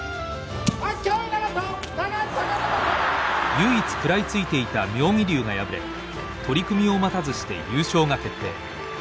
唯一食らいついていた妙義龍が敗れ取組を待たずして優勝が決定。